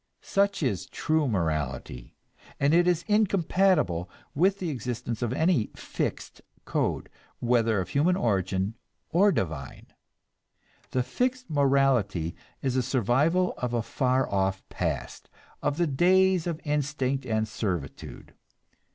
Such is true morality, and it is incompatible with the existence of any fixed code, whether of human origin or divine. The fixed morality is a survival of a far off past, of the days of instinct and servitude.